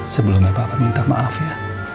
sebelumnya bapak minta maaf ya